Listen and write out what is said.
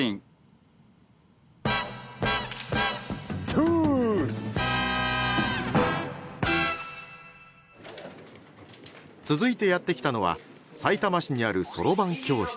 トゥース！続いてやって来たのはさいたま市にあるそろばん教室。